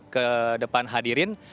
ke depan hadirin